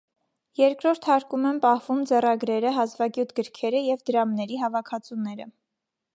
Երկրորդ հարկում են պահվում ձեռագրերը, հազվագյուտ գրքերը և դրամների հավաքածուները։